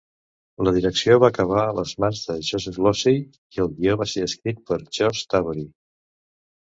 La direcció va acabar a les mans de Joseph Losey i el guió va ser escrit per George Tabori.